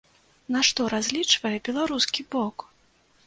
На што разлічвае беларускі бок?